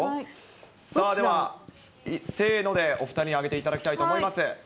さあ、では、せーのでお２人にあげていただきたいと思います。